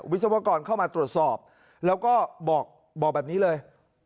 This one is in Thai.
วิศวกรเข้ามาตรวจสอบแล้วก็บอกแบบนี้เลย